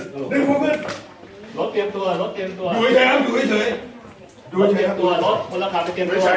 ตำรวจแห่งมือ